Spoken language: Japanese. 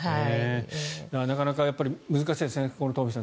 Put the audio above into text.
なかなか難しいですね東輝さん。